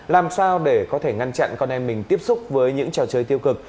làm sao để có thể ngăn chặn con em mình tiếp xúc với những trò chơi tiêu cực